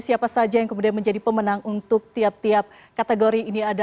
siapa saja yang kemudian menjadi pemenang untuk tiap tiap kategori ini ada